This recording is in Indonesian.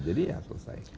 jadi ya selesai